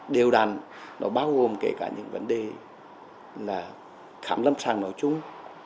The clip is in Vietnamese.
đều đàn nó bao gồm kể cả những vấn đề là khám lâm sàng nói chung